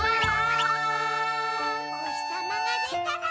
「おひさまがでたら」